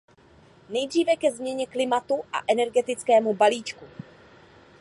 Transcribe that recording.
Nejdříve ke změně klimatu a energetickému balíčku.